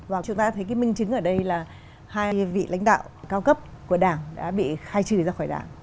và chúng ta thấy cái minh chứng ở đây là hai vị lãnh đạo cao cấp của đảng đã bị khai trừ ra khỏi đảng